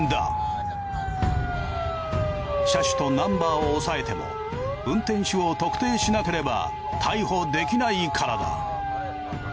車種とナンバーを押さえても運転手を特定しなければ逮捕できないからだ。